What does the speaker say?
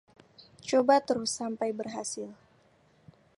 coba terus sampai berhasil